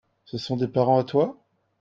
Ce sont des parents à toi ?